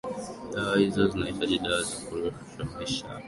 dawa hizo zinaitwa dawa za kurefusha maisha